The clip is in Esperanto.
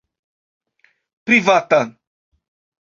privata